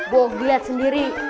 bogi liat sendiri